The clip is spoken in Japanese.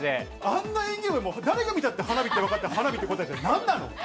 あんな演技力、誰が見たって花火って分かって、花火って答えて何なの。